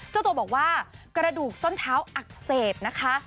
เจ้าตัวบอกว่ากระดูกส้นเท้าอักเสบนะคะ